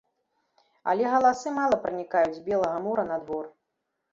Але галасы мала пранікаюць з белага мура на двор.